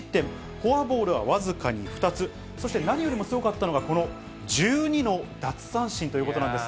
フォアボールは僅かに２つ、そして何よりもすごかったのが、この１２の奪三振ということなんです。